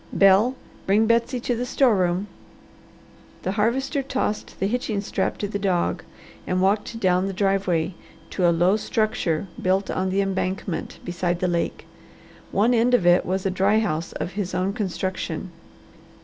Bel, bring Betsy to the store room." The Harvester tossed the hitching strap to the dog and walked down the driveway to a low structure built on the embankment beside the lake. One end of it was a dry house of his own construction.